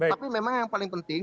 tapi memang yang paling penting